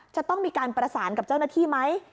จะต้องมีการประสานกับเจ้าหน้าที่ไหม